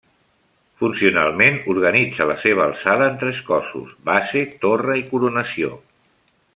Funcionalment organitza la seva alçada en tres cossos; base, torre i coronació.